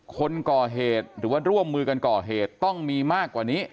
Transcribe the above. คนก่อเหตุหรือว่าร่วมมือกันก่อเหตุต้องมีมากกว่านี้